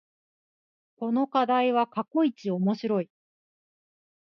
この課題は過去一面白い